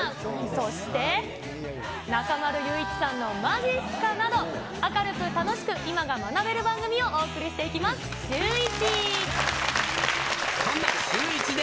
そして、中丸雄一さんのまじっすかなど、明るく楽しく、今が学べる番組をそんなシューイチで、